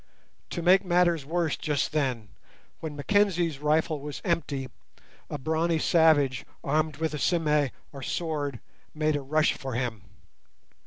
To make matters worse just then, when Mackenzie's rifle was empty, a brawny savage armed with a "sime", or sword, made a rush for him.